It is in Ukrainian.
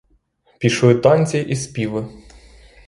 Пішли танці і співи.